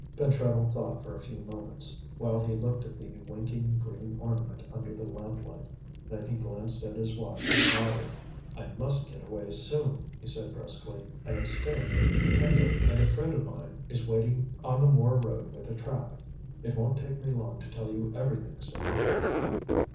Pentreddle thought for a few moments, while he looked at the winking green ornament under the lamplight. Then he glanced at his watch and nodded. "I must get away soon," he said briskly. "I am staying at Hendle and a friend of mine is waiting on the Moor Road with a trap. It won't take me long to tell you everything, sir."